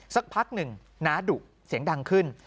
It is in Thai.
สักพักหนึ่งน้าดุเสียงดังขึ้น